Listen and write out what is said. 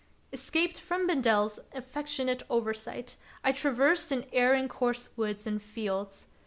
Escaped from Bendel's affectionate oversight, I traversed in erring course woods and fields.